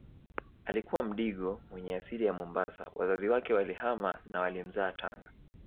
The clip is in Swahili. Alikuwa mdigo mwenye asili ya Mombasa wazazi wake walihama na walimzaa Tanga